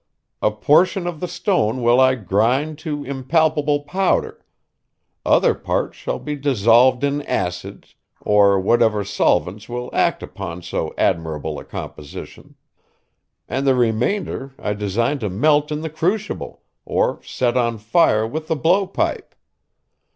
A portion of the stone will I grind to impalpable powder; other parts shall be dissolved in acids, or whatever solvents will act upon so admirable a composition; and the remainder I design to melt in the crucible, or set on fire with the blow pipe.